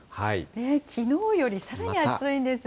きのうよりさらに暑いんですね。